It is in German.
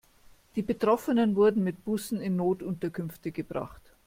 Die Betroffenen wurden mit Bussen in Notunterkünfte gebracht.